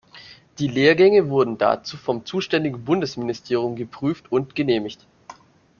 Die Lehrgänge wurden dazu vom zuständigen Bundesministerium geprüft und genehmigt.